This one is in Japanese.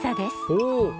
ほう！